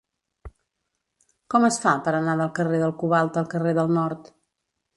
Com es fa per anar del carrer del Cobalt al carrer del Nord?